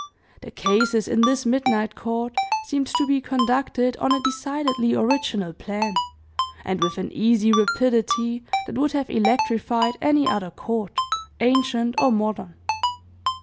The cases in this midnight court seemed to be conducted on a decidedly original plan, and with an easy rapidity that would have electrified any other court, ancient or modern.